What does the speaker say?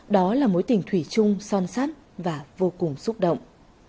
đó là mối tình thủy chung son sát và vô cùng xúc động